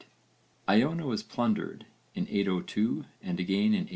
Iona was plundered in 802 and again in 806.